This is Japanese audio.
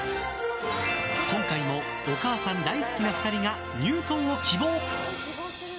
今回もお母さん大好きな２人が入党を希望。